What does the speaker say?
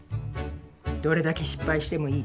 どれだけ失敗してもいい。